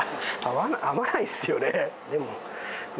合わないですよね。